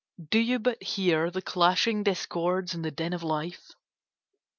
Do you but hear the clashing discords and the din of life?